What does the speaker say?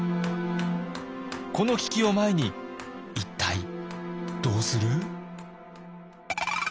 この危機を前に一体どうする？